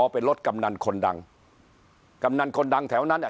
เป็นรถกำนันคนดังกำนันคนดังแถวนั้นอ่ะ